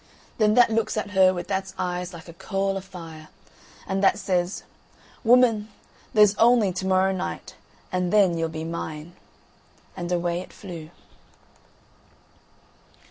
Then that looks at her with that's eyes like a coal o' fire, and that says: "Woman, there's only to morrow night, and then you'll be mine!" And away it flew.